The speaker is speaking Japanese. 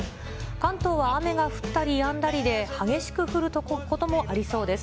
関東は雨が降ったりやんだりで、激しく降ることもありそうです。